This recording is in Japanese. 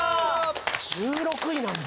１６位なんだ。